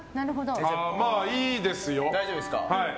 まあいいですよ。